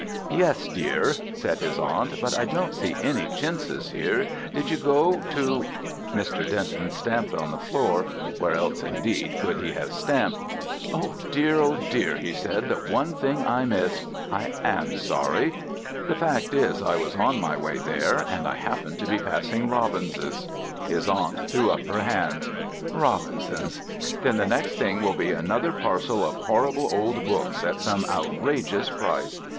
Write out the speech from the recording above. "Yes, dear," said his aunt, "but I don't see any chintzes here. Did you go to ?" Mr. Denton stamped on the floor (where else, indeed, could he have stamped?). "Oh dear, oh dear," he said, "the one thing I missed. I am sorry. The fact is I was on my way there and I happened to be passing Robins's." His aunt threw up her hands. "Robins's! Then the next thing will be another parcel of horrible old books at some outrageous price.